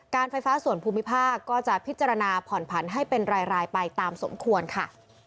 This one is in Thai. ไฟฟ้าส่วนภูมิภาคก็จะพิจารณาผ่อนผันให้เป็นรายไปตามสมควรค่ะ